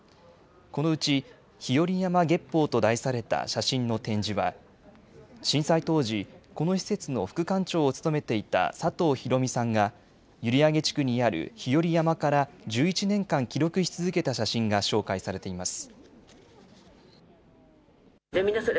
このうち日和山月報と題された写真の展示は震災当時、この施設の副館長を務めていた佐藤泰美さんが閖上地区にある日和山から１１年間、記録し続けた写真が紹介されています。